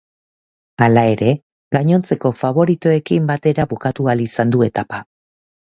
Hala ere, gainontzeko faboritoekin batera bukatu ahal izan du etapa.